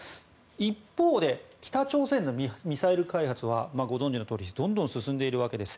一方で北朝鮮のミサイル開発はご存じのとおりどんどん進んでいるわけです。